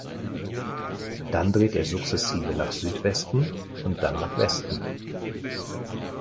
Dann dreht er sukzessive nach Südwesten und dann nach Westen.